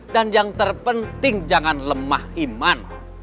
dan yang terpenting jangan lemah iman